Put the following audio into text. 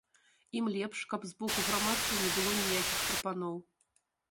Ім лепш, каб з боку грамадства не было ніякіх прапаноў.